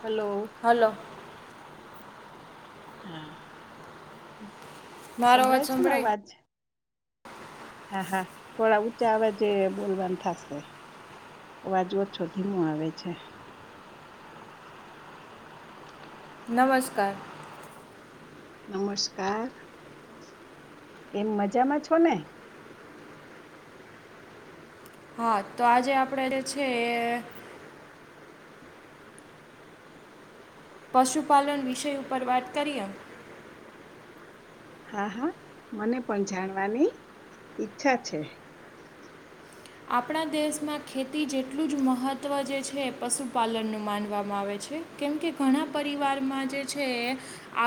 હાલો. Hello. હા. મારો અવાજ છે ને સંભળાય અવાજ હા હા થોડા ઊંચા અવાજે બોલવાનું થશે અવાજવોછો ધીમો આવે છે નમસ્કાર નમસ્કાર કેમ મજામાં છો ને હા તો આજે આપણેે જે છે એ પશુપાલન વિષય ઉપર વાત કરીએ હા હા મને પણ જાણવાની ઈચ્છા છે આપણા દેશમાં ખેતી જેટલું જ મહત્ત્વ જે છે એ પશુપાલનનું માનવામાં આવે છે કેમકે ઘણા પરિવારમાં જે છે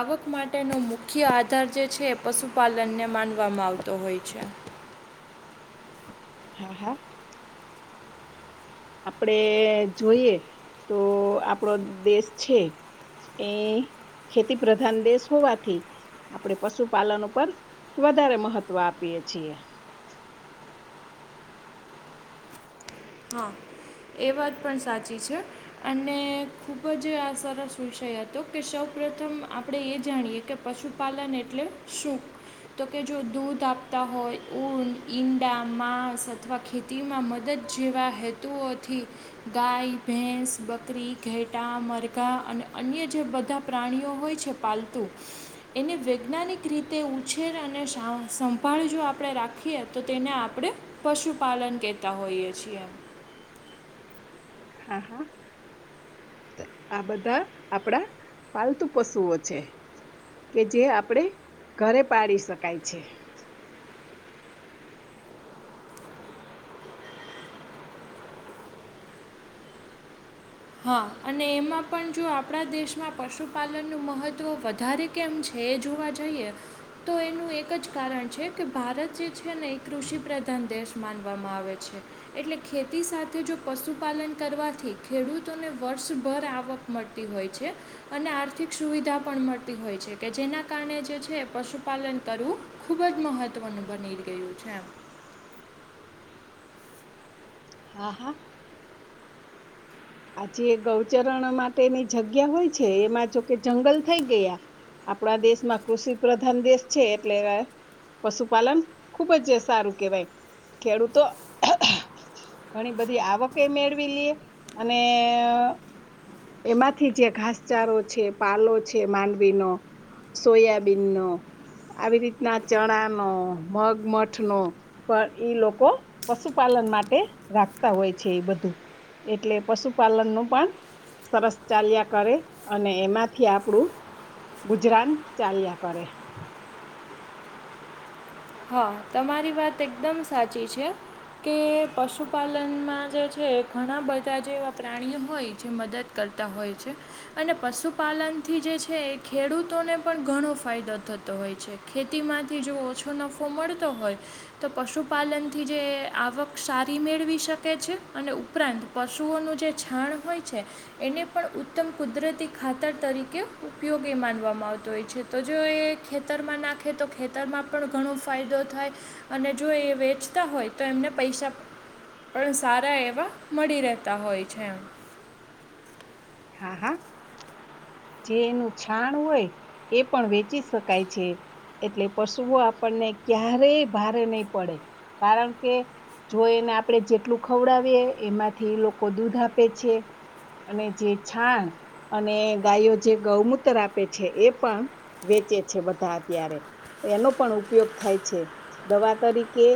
આવક માટેનો મુખ્ય આધાર જે છે એ પશુપાલનને માનવામાં આવતો હોય છે હા હા આપડે જોઈએ તો આપડો દેશ છે એ ખેતી પ્રધાન દેશ હોવાથી આપણેે પશુપાલન ઉપર વધારે મહત્વ આપીએ છીએ હા એ વાત પણ સાચી છે અને ખૂબ જ આ સરસ વિષય હતો કે સૌ પ્રથમ આપણે એ જાણીએ કે પશુપાલન એટલે શું તો કે જો દૂધ આપતા હોય ઊન ઈંડા માંસ અથવા ખેતીમાં મદદ જેવા હેતુઓથી ગાય ભેંસ બકરી ઘેટા મરઘા અને અન્ય જે બધા પ્રાણીઓ હોય છે પાલતુ એને વૈજ્ઞાનિક રીતે ઉછેર અને સંભાળ જો આપણે રાખીએ તો તેને આપણે પશુપાલન કેતા હોયએ છીએ હા, હા. આ બધા આપડા પાલતુ પશુઓ છે, કે જે આપડે ઘરે પાડી શકાય છે, હા અને એમાં પણ જો આપણા દેશમાં પશુપાલનનું મહત્ત્વ વધારે, કેમ છે, એજોવા જઈએ. તો એનું એક જ કારણ છે, કે ભારત જે છે, નેએ કૃષિ પ્રધાન દેશ માનવામાં આવે છે. એટલે ખેતી સાથે જો પશુપાલન કરવાથી ખેડૂત. તોને વર્ષભર આવક મળતી હોય છે. અને આર્થિક સુવિધા પણ મળતી હોય છે, કે જેના કારણે જે છે, પશુપાલન કરવું. ખૂબ જ મહત્વનું બની ગયું છે, એમ હા, હા. આજે ગૌચરણ માટેની જગ્યા હોય છે, એમાં જો કે જંગલ થઈ ગયા. આપણા દેશમાં કૃષિ પ્રધાન દેશ છે, એટલે પશુપાલન ખુબ જ સારું કેહેવાય ખેડૂતો, ઘણી બધી આવકે મેળવી લે, અને એમાંથી જે ઘાસચારો છે, પાલો છે, માંડવીનો સોયાબીનનો આવી રીતના ચણાનો, મગમઠનો. પણ ઈ લોકો પશુપાલન માટે રાખતા હોય છે, એ બધું એટલે. પશુપાલનનું પણ સરસ ચાલ્યા, કરે અને એમાંથી આપણું. ગુજરાન ચાલ્યા કરે. હા, તમારી વાત એકદમ સાચી છે, કે પશુપાલનમાં જે છે, ઘણા બધા જે એવા પ્રાણીઓ હોય જે મદદ. કરતા હોય છે, અને પશુપાલનથી જે છે, એ ખેડૂતોને પણ ઘણો ફાયદો થતો હોય છે. ખેતીમાંથી જો ઓછો નફો મળતો હોય. તો પશુપાલનથી જે આવક સારી મેળવી શકે છે, અને ઉપરાંત પશુઓનું જે છાણ હોય છે. એને પણ ઉત્તમ કુદરતી ખાતર તરીકે ઉપયોગી માનવામાં આવતો હોય છે. તોજો એ ખેતરમાં નાખે તો ખેતરમાં પણ ઘણો ફાયદો થાય અને જોએ વેચતા હોય તો એમને પૈસા પણ સારા એવા મળી રહેતા હોય છે, એમ હા હા. જે એનું છાણ હોય એ પણ વેચી શકાય છે. એટલે પશુઓ આપણને ક્યારેય ભારે નહીં પડે કારણ કે જો એને આપણે જેટલું ખવડાવીએ એમાંથી લોકો દૂધ આપે છે. અને જે છાણ અને ગાયો જે ગૌમૂત્ર આપે છે, એ પણ વેચે છે, બધા અત્યારે એનો પણ ઉપયોગ થાય છે. દવા તરીકે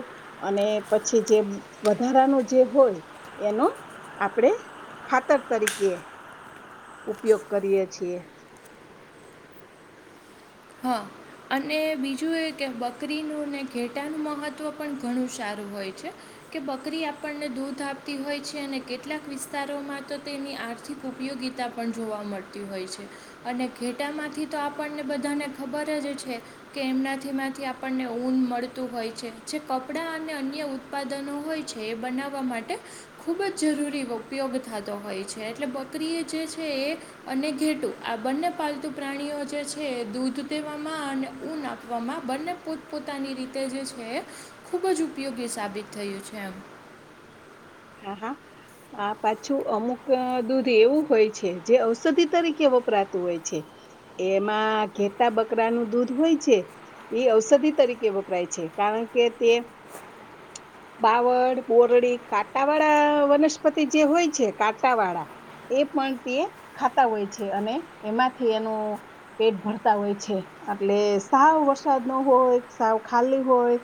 અને પછી જે વધારાનું જે હોય એનું આપડે ખાતર તરીકે ઉપયોગ કરીએ છીએ. હા. અને બીજું એ કે બકરીનું ને ઘેટાનું મહત્ત્વ પણ ઘણું સારું હોય છે. કે બકરી આપણને દૂધ આપતી હોય છે, અને કેટલાક વિસ્તારોમાં તો તેની આજ ઉપયોગીતા પણ જોવા મળતી હોય છે, અને ઘેટામાંથી તો આપણને બધાને ખબર જ છે. કે એમનાથી માંથી આપણને ઊન મળતું હોય છે, જે કપડા અને અન્ય ઉ ત્પાદનો હોય છે, એ બનાવવા માટે ખૂબ જ જરૂરી ઉપયોગ થતો હોય છે, એટલે બકરીએ જે છે, એ અને ઘેટું આ બંને પાલતુ પ્રાણીઓ જે છે, દૂધ દેવામાં અને ઊન આપવામાં બંને પોતપોતાની રીતે જે છે. ખૂબ જ ઉપયોગી સાબિત થયું છે, એમ હા હા. આ પાછું અમુક દૂધ એવું હોય છે, જે ઔષધિ તરીકે વપરાતું હોય છે. એમાં ઘેટા બકરાનું દૂધ હોય છે. એ ઔષધિ તરીકે વપરાય છે, કારણ કે તે બાવડ, બોરડી, કા ટાવાળા વનસ્પતિ જે હોય છે, કાટાવાળા એ પણ તે ખાતા હોય છે, અને એમાંથી એનું પેટ ભરતા હોય છે, એટલે સાવ વરસાદ ન હોય સાવ ખાલી હોય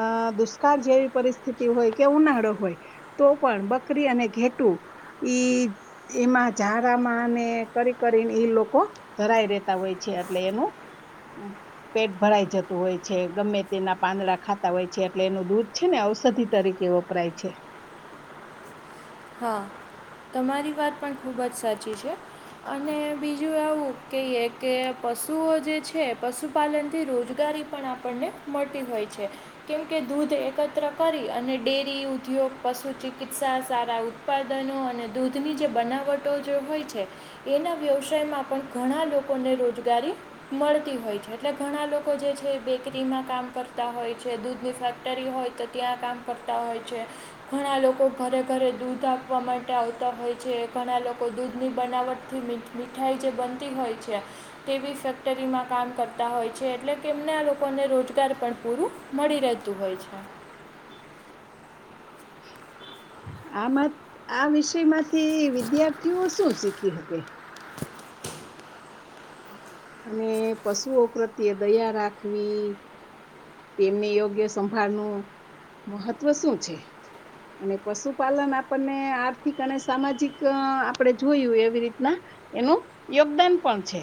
અ દુષ્કાળ જેવી પરિસ્થિતિ હોય કે ઉનાળો હોય તો પણ બકરી અને ઘેટું ઈ એમાં ઝારામાં ને કરી કરીને ઈ લોકો ધરાય રેતા હોય છે, એટલે એનું પેટ ભરાઈ જતું હોય છે, ગમે તેના પાંદડા ખાતા હોય છે, એટલે એનું દૂધ છે, ને ઔષધિ તરીકે વ પરાય છે. હા તમારી વાત પણ ખૂબ જ સાચી છે. અને બીજું આવું કેયે કે પશુઓ જે છે, પશુ પશપાલનથી રોજગારી પણ આપણને મળતી હોય છે. કેમકે દૂધ એકત્ર કરી અને ડેરી ઉદ્યોગ પશુ ચિકિત્સા સારા ઉત્પાદનો અને દૂધની જે બનાવટો જો હોય છે. એના વ્યવસાયમાં પણ ઘણા લોકોને રોજગારી મળતી હોય છે, એટલે ઘણા લોકો જે છે, બેકરીમાં કામ કરતા હોય છે, દૂધની ફે ટરી હોય તો ત્યાં કામ કરતા હોય છે, ઘણા લોકો ઘરે ઘરે દૂધ આપવા માટે આવતા હોય છે, ઘણા લોકો દૂધની બનાવટથી મી મીઠાઈ જે બનતી હોય છે. તેવી ફેક્ટરીમાં કામ કરતા હોય છે એટલે કેમને લોકોને રોજગાર પણ પૂરું મળી રહેતું હોય છે. આમાં આ વિષયમાં થી વિદ્યાર્થીઓ શું શીખી હકે? અને પશુઓ પ્રત્યે દયા રાખવી. તેમની યોગ્ય સંભાળ નું મહત્વ શું છે. અને પશુપાલન આપણને આર્થિક અને સામાજિક આપણેે જોયું એવી રીતના એનું યોગદાન પણ છે.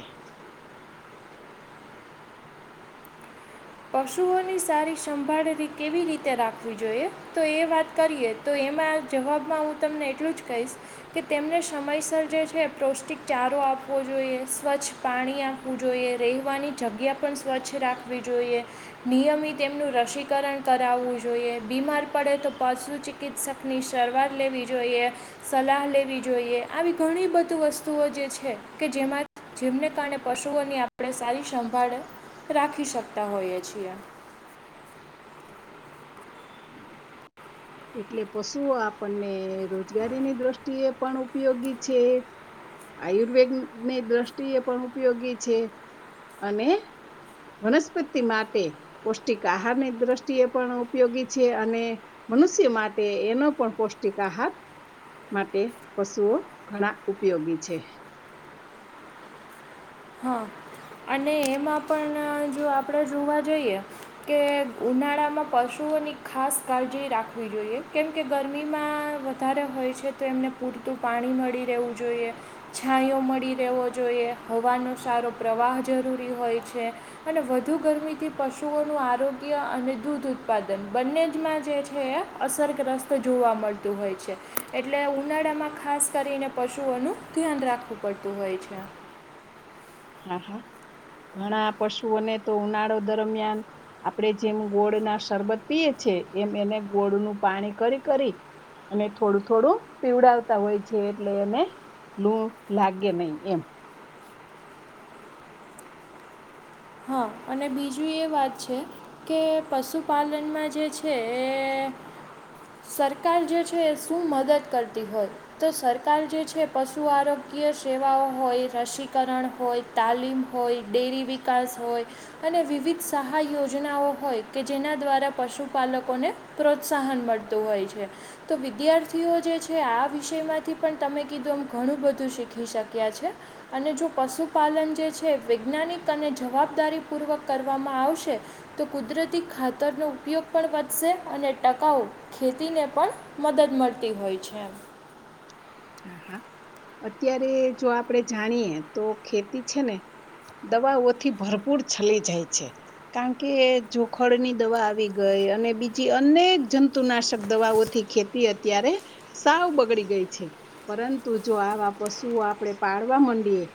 પશુઓની સારી સંભાળરી કેવી રીતે રાખવી જોઈએ? તો એ વાત કરીએ તો એમાં જવાબમાં હું તમને એટલું જ કહીશ. કે તેમને સમયસર જે છે પૌષ્ટિક ચારો આપવો જોઈએ સ્વચ્છ પાણી આપવું જોઈએ રહેવાની જગ્યા પણ સ્વચ્છ રાખવી જોઈએ. નિયમિત એમનું રસીકરણ કરાવવું જોઈએ બીમાર પડે તો પશુ ચિકિત્સક શરૂઆત લેવી જોઈએ. સલાહ લેવી જોઈએ આવી ઘણી બધી વસ્તુઓ જે છે કે જેમાં જેમને કારણે પશુઓની આપણે સારી સંભાળ રાખી શકતા હોઈએ છીએ. [unintelligible] એટલે પશુઓ આપણને રોજગારીની દ્રષ્ટિએ પણ ઉપયોગી છે. આયુર્વેદની દ્રષ્ટિ એ પણ ઉપયોગી છે અને વનસ્પતિ માટે પૌષ્ટિક આહારની દ્રષ્ટિએ પણ ઉપયોગી છે અને મનુષ્ય માટે એનો પણ પૌષ્ટિક આહાર માટે પશુઓ ઘણા ઉપયોગી છે. હા અને એમાં પણ જો આપણે જોવા જઈએ કે ઉનાળામાં પશુઓની ખાસ કાળજી રાખવી જોઈએ કેમકે ગરમીમાં વધારે હોય છે તો એમને પૂરતું પાણી મળી રહેવું જોઈએ. છાંયો મળી રહેવો જોઈએ હવાનો સારો પ્રવાહ જરૂરી હોય છે અને વધુ ગરમીથી પશુઓનું આરોગ્ય અને દૂધ ઉત્પાદન બંને જમાં જે છે અસરગ્રસ્ત જોવા મળતું હોય છે એટલે ઉનાળામાં ખાસ કરીને પશુઓનું ધ્યાન રાખવું પડતું હોય છે. હા હા ઘણા પશુઓને તો ઉનાળો દરમિયાન આપણે જેમ ગોળ ના શરબત પીએ છીએ એમ એને ગોળનું પાણી કરી કરી અને થોડું થોડું પીવડાવતા હોય છે. એટલે એને લું લાગે નહીં એમ હા અને બીજું એ વાત છે. કે પશુપાલનમાં જે છે. એ સરકાર જે છે એ શું મદદ કરતી હોય તો સરકાર જે છે પશુ આરોગ્ય સેવાઓ હોય રસીકરણ હોય તાલીમ હોય, ડેરી વિકાસ હોય અને વિવિધ સહાય યોજનાઓ હોય કે જેના દ્વારા પશુપાલકોને પ્રોત્સાહન મળતું હોય છે. તો વિદ્યાર્થીઓ જે છે આ વિષયમાંથી પણ તમે કીધું એમ ઘણું બધું શીખી શક્યા છે. અને જો પશુપાલન જે છે વૈજ્ઞાનિક અને અને જવાબદારી પૂર્વક કરવામાં આવશે તો કુદરતી ખાતરનો ઉપયોગ પણ વધશે અને ટકાઉ ખેતીને પણ મદદ મળતી હોય છે. હા હા અત્યારે જો આપણે જાણીયએ તો ખેતી છે ને દવા ઓથી ભરપૂર ચલી જાય છે. કારણ કે જોખડ ની દવા આવી ગઈ અને બીજી અનેક જંતુનાશક દવાઓથી ખેતી તે અત્યારે સાવ બગડી ગઈ છે. પરંતુ જો આવા પશુઓ આપણેે પાડવા માંડીએ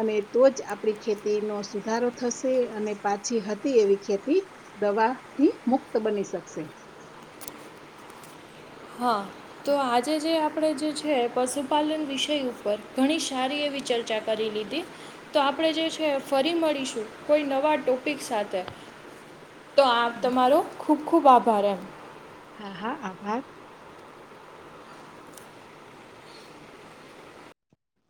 અને તો જ આપડી ખેતી નો સુધારો થશે અને પાછી હતી એવી ખેતી દવા થી મુક્ત બની શકશે હા તો આજે જે આપણેે જે છે પશુપાલન વિષય ઉપર ઘણી સારી એવી ચર્ચા કરી લીધી તો આપણે જે છે ફરી મળીશું કોઈ નવા ટોપિક સાથે તો આ તમારો ખૂબ ખૂબ આભાર એમ હા હા આભાર